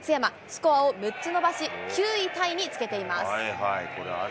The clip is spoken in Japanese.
スコアを６つ伸ばし、９位タイにつけています。